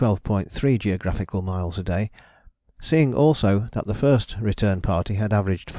3 geographical miles a day; seeing also that the First Return Party had averaged 14.